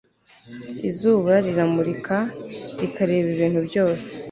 izuba riramurika rikareba ibintu byose